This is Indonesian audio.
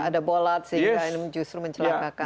ada bolat sehingga ini justru mencelakakan